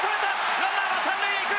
ランナーは３塁へ行く！